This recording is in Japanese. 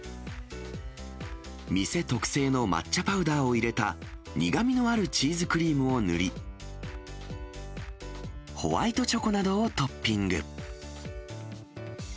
店特製の抹茶パウダーを入れた、苦みのあるチーズクリームを塗り、ホワイトチョコなどをトッピング。